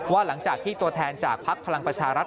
หลังจากที่ตัวแทนจากภักดิ์พลังประชารัฐ